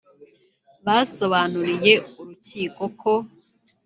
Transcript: Basobanuriye urukiko ko